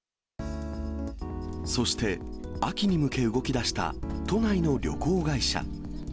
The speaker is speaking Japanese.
そして秋に向け動きだした、都内の旅行会社。